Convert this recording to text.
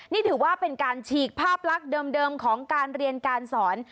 นี่ถือว่าเป็นการฉีกภาพลักษณ์เดิมของการเรียนการสอน